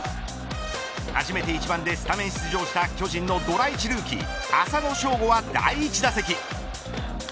初めて１番でスタメン出場した巨人のドラ１ルーキー浅野翔吾は第１打席。